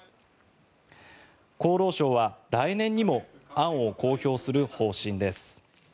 厚労省は来年にも案を公表する方針です。